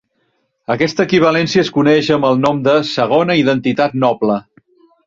Aquesta equivalència es coneix amb el nom de "segona identitat noble".